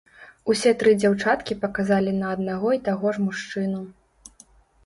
Усе тры дзяўчаткі паказалі на аднаго і таго ж мужчыну.